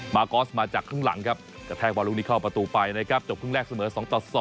กอสมาจากครึ่งหลังครับกระแทกบอลลูกนี้เข้าประตูไปนะครับจบครึ่งแรกเสมอ๒ต่อ๒